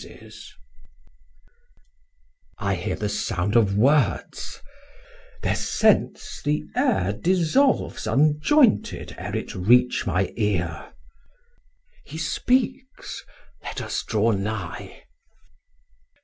Sam: I hear the sound of words, thir sense the air Dissolves unjointed e're it reach my ear. Chor: Hee speaks, let us draw nigh.